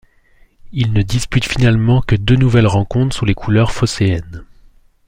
Il ne dispute finalement que deux nouvelles rencontres sous les couleurs phocéennes.